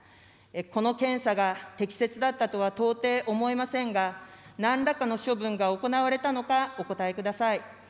この検査が適切だったとは到底思えませんが、なんらかの処分が行われたのかお答えください。